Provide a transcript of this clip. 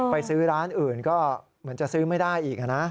ไปซื้อร้านอื่นก็เหมือนจะซื้อไม่ได้อีกนะ